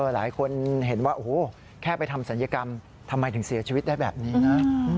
หลายคนเห็นว่าโอ้โหแค่ไปทำศัลยกรรมทำไมถึงเสียชีวิตได้แบบนี้นะ